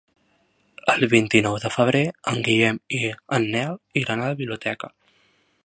El vint-i-nou de febrer en Guillem i en Nel iran a la biblioteca.